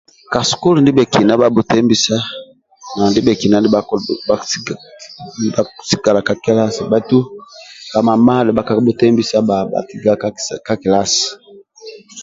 Ka sukulu ndibhekina bhabhutembisa na ndibhekina nibhabhukisigala ka kilasi bhaitu bhamamadha bhakabhutembisa bba bhasigala ka kilasi